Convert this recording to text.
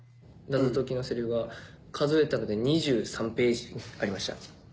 謎解きのセリフが数えたので２３ページありました。